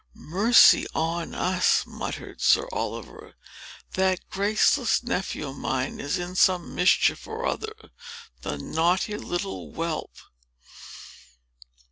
"Mercy on us!" muttered Sir Oliver; "that graceless nephew of mine is in some mischief or other. The naughty little whelp!"